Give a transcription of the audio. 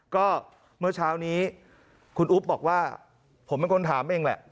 ก็เมื่อเช้านี้คุณอุ๊บบอกว่าผมเป็นคนถามเองแหละ